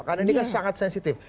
karena ini kan sangat sensitif